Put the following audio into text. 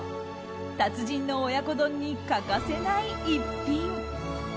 達人の親子丼に欠かせない逸品。